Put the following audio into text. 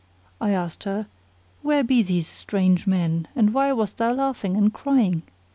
I asked her:—Where be these strange men and why wast thou laughing, and crying?